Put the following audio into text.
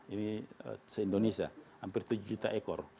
ini se indonesia hampir tujuh juta ekor